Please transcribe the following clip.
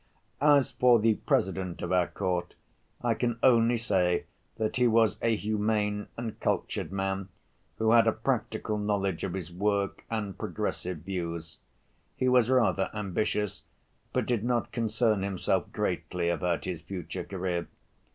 As for the President of our Court, I can only say that he was a humane and cultured man, who had a practical knowledge of his work and progressive views. He was rather ambitious, but did not concern himself greatly about his future career.